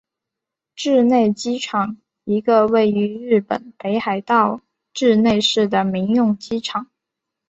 稚内机场一个位于日本北海道稚内市的民用机场。